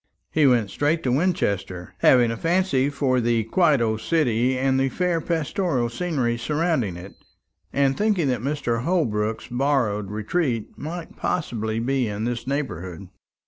He went straight to Winchester, having a fancy for the quiet old city and the fair pastoral scenery surrounding it, and thinking that Mr. Holbrook's borrowed retreat might possibly be in this neighbourhood.